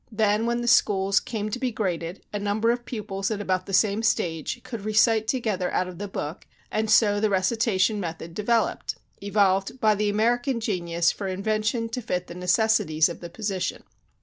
Then when the schools came to be graded, a number of pupils at about the same stage could recite together out of the book, and so the recitation method developed, evolved by the American genius for invention to fit the necessities of the position.